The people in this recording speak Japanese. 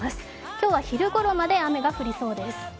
今日は昼ごろまで雨が降りそうです。